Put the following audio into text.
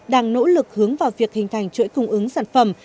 đang nỗ lực hướng vào việc hình thành chuỗi cung ứng sản phẩm